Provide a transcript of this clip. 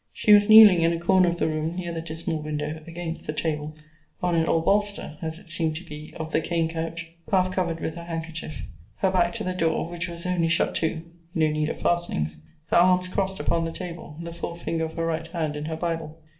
She was kneeling in a corner of the room, near the dismal window, against the table, on an old bolster (as it seemed to be) of the cane couch, half covered with her handkerchief; her back to the door; which was only shut to, [no need of fastenings;] her arms crossed upon the table, the fore finger of her right hand in her Bible.